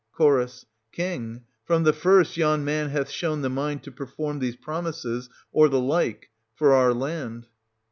Ch. King, from the first yon man hath shown the 630 mind to perform these promises, or the like, for our land.